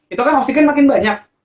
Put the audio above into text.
itu kan oksigen makin banyak